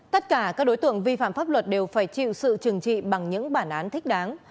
tất cả các đối tượng vi phạm pháp luật đều phải chịu sự trừng trị bằng những bản án thích đáng